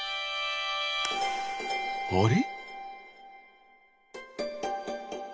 あれ？